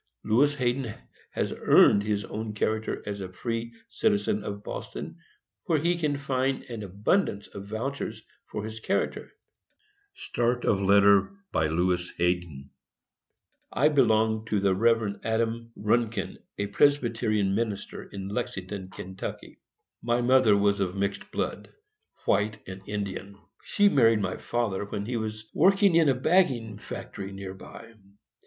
Lewis Hayden has earned his own character as a free citizen of Boston, where he can find an abundance of vouchers for his character. I belonged to the Rev. Adam Runkin, a Presbyterian minister in Lexington, Kentucky. My mother was of mixed blood,—white and Indian. She married my father when he was working in a bagging factory near by.